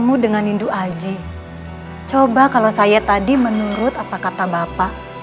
kau ini panggilan di anggung madem usia anggun french spoil